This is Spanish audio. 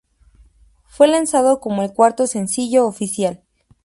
Fue lanzado como el cuarto sencillo oficial.